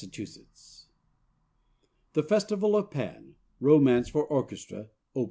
_) "THE FESTIVAL OF PAN," ROMANCE FOR ORCHESTRA: Op.